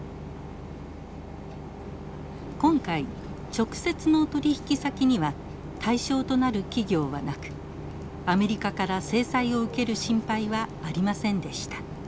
今回直接の取引先には対象となる企業はなくアメリカから制裁を受ける心配はありませんでした。